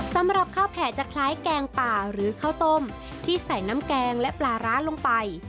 สำหรับข้าวแผ่จะคล้ายแกงป่าหรือข้าวต้มที่ใส่น้ำแกงและปลาร้าลงไป